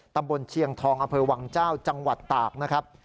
ตำบลเชียงทองอำเภอวังเจ้าจังหวัดตากนะครับ